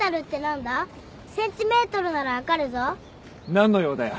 何の用だよ。